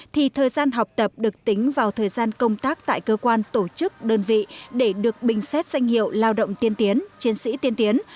thì thời gian học tập được tính vào thời gian công tác tại cơ quan tổ chức đơn vị để được bình xét danh hiệu lao động tiên tiến chiến sĩ tiên tiến